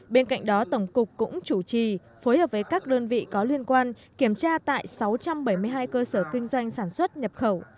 bên cạnh đó tổng cục cũng chủ trì phối hợp với các đơn vị có liên quan kiểm tra tại sáu trăm bảy mươi hai cơ sở kinh doanh sản xuất nhập khẩu